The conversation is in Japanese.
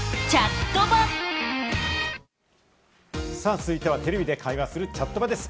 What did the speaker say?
続いてはテレビで会話する「チャットバ」です。